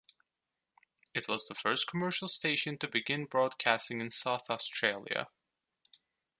It was the first commercial station to begin broadcasting in South Australia.